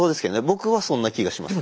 僕はそんな気がしますね。